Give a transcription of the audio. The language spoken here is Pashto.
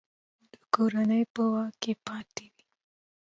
د کورنۍ په واک کې پاته وي.